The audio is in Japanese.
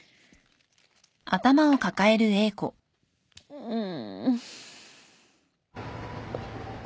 うん。